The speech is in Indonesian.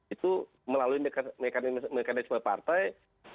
itu melalui mekanisme partai